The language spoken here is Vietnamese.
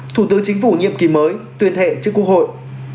thủ tướng chính phủ nhiệm kỳ mới tuyên thệ trước quốc hội